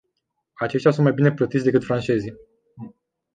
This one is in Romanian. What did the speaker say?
Aceștia sunt mai bine plătiți decât francezii.